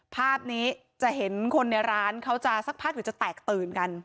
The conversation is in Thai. ภาพนี้จะเห็นคนในร้านเขาจะสักพักหรือจะแตกตื่นกัน